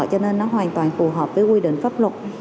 cho nên nó hoàn toàn phù hợp với quy định pháp luật